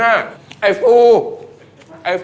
ไม่ได้หรอก